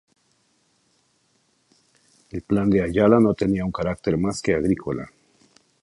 El Plan de Ayala no tenía un carácter más que agrícola.